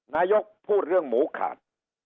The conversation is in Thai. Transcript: นายกพูดเรื่องหมูขาด